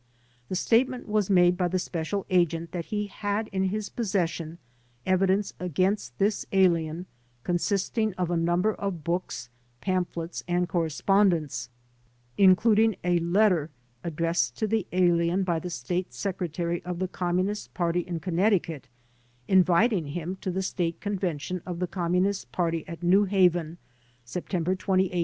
The statement was made by the special agent that he had in his possession evidence against this alien consisting of a number of books, pamphlets and correspondence, including a letter addressed to the alien by the State Sec retary of the Communist Party in Connecticut, inviting him to the State Convention of the Communist Party at New Haven, September 28, 1919.